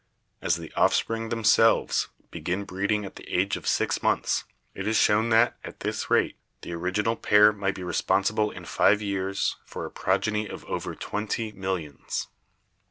As the offspring themselves begin breeding at the age of six months, it is shown that, at this rate, the original pair might be responsible in five years for a progeny of over twenty millions.